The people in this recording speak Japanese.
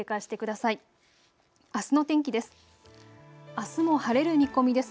あすの天気です。